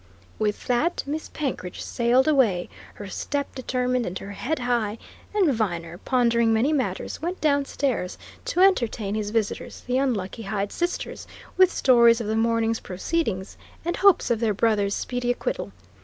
With that Miss Penkridge sailed away, her step determined and her head high, and Viner, pondering many matters, went downstairs to entertain his visitors, the unlucky Hyde's sisters, with stories of the morning's proceedings and hopes of their brother's speedy acquittal.